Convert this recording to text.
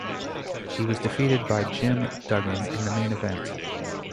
He was defeated by Jim Duggan in the main event.